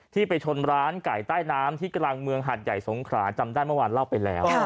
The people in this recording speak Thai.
ไปชนร้านไก่ใต้น้ำที่กลางเมืองหัดใหญ่สงขราจำได้เมื่อวานเล่าไปแล้ว